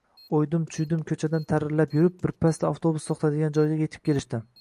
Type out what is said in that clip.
O`ydim-chuydim ko`chadan tarillab yurib, birpasda avtobus to`xtaydigan joyga etib kelishdi